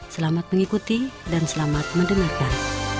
selamat mengikuti dan selamat mendengarkan